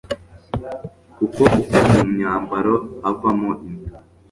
kuko uko mu myambaro havamo inda